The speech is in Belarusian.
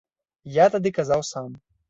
Я тады казаў сам.